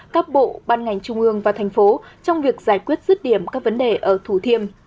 các bộ ban ngành trung ương và thành phố trong việc giải quyết rứt điểm các vấn đề ở thủ thiêm